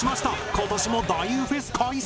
今年も太夫フェス開催！